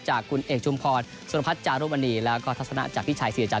จากคุณเอกจุมพลสุรพัฒนธ์จารุ